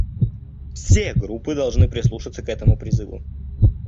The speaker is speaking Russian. Все группы должны прислушаться к этому призыву.